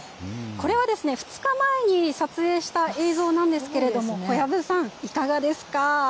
これはですね２日前に撮影した映像なんですけれども小籔さん、いかがですか。